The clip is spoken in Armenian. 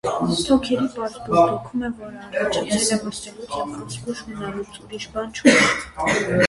Թոքերի պարզ բորբոքում է, որ առաջացել է մրսելուց և անզգույշ մնալուց, ուրիշ բան չկա: